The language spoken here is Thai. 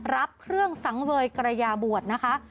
รับเครื่องสังเวยกระยาบวชนะคะ